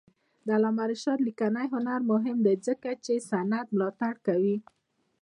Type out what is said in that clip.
د علامه رشاد لیکنی هنر مهم دی ځکه چې سند ملاتړ کوي.